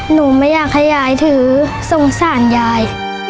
หนูไม่อยากให้ยายถือสงสารยาย